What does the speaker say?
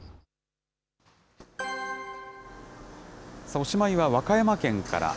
おしまいは和歌山県から。